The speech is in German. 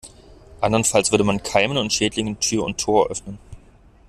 Andernfalls würde man Keimen und Schädlingen Tür und Tor öffnen.